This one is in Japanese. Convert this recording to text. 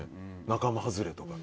仲間外れとか。